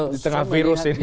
di tengah virus ini